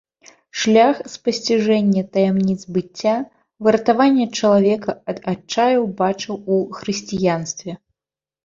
Шлях спасціжэння таямніц быцця, выратавання чалавека ад адчаю бачыў у хрысціянстве.